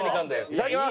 いただきます。